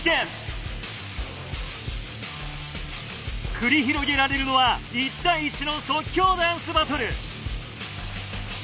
繰り広げられるのは１対１の即興ダンスバトル。